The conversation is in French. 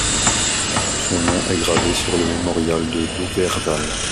Son nom est gravé sur le Mémorial de Louverval.